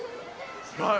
すごい。